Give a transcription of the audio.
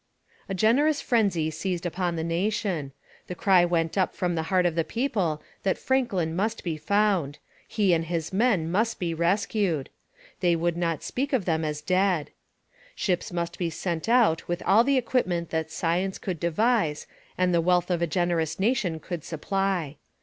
A generous frenzy seized upon the nation. The cry went up from the heart of the people that Franklin must be found; he and his men must be rescued they would not speak of them as dead. Ships must be sent out with all the equipment that science could devise and the wealth of a generous nation could supply.